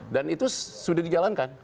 dan itu sudah dijalankan